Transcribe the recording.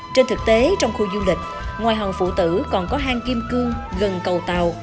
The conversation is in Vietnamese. trên thực tế trong khu du lịch ngoài hòn phụ tử còn có hang kim cương gần cầu tàu